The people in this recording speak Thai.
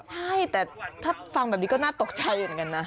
ใช่แต่ถ้าฟังแบบนี้ก็น่าตกใจเหมือนกันนะ